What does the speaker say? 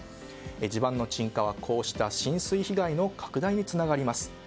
地盤沈下はこうした浸水被害の拡大につながります。